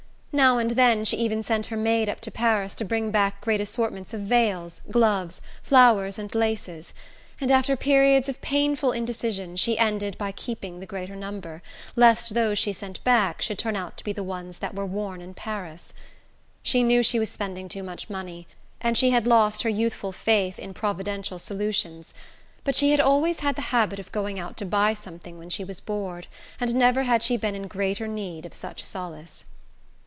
Now and then she even sent her maid up to Paris to bring back great assortments of veils, gloves, flowers and laces; and after periods of painful indecision she ended by keeping the greater number, lest those she sent back should turn out to be the ones that were worn in Paris. She knew she was spending too much money, and she had lost her youthful faith in providential solutions; but she had always had the habit of going out to buy something when she was bored, and never had she been in greater need of such solace.